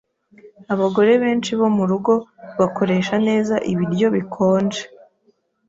Abagore benshi bo murugo bakoresha neza ibiryo bikonje.